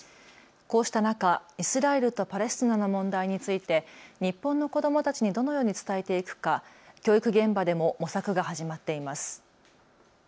こうした中、イスラエルとパレスチナの問題について日本の子どもたちにどのように伝えていくか教育現場でも模索が始まっています。